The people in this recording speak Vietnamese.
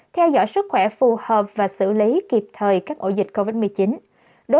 theo dõi sức khỏe phù hợp và xử lý kịp thời các ổ dịch covid một mươi chín